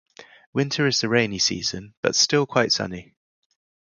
Winter is the rainy season, but still quite sunny.